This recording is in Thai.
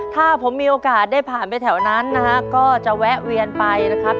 ถ้าผมมีโอกาสได้ผ่านไปแถวนั้นนะฮะก็จะแวะเวียนไปนะครับ